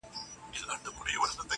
• وایي تربور چي ښه وي نو ښه دی -